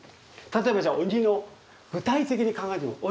例えばじゃあ鬼の具体的に考えてみよう。